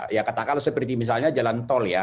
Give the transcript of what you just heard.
ya katakanlah seperti misalnya jalan tol ya